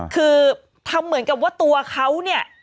คือทำเหมือนกับว่าตัวเขาเนี่ย